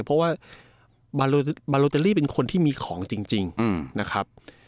เพราะว่ามาโลเตอรี่เป็นคนที่มีของจริงนะครับ